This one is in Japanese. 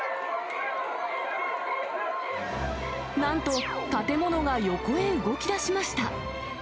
なんと、建物が横へ動き出しました。